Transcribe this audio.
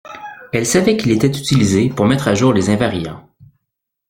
Elle savait qu’il était utilisé pour mettre à jour les invariants